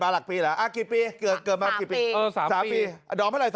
หลักปีเลยหรือ